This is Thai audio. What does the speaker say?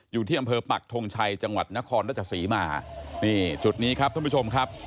อยู่ที่อำเภอปักทงชัยจังหวัดนครราชสีมานี่จุดนี้ครับท่านผู้ชมครับ